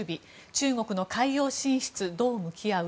中国の海洋進出、どう向き合う？